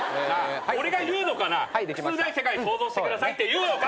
俺が言うのかな靴のない世界想像してください言うのか？